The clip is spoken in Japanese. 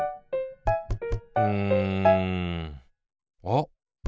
うんあっ！